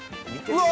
うわ！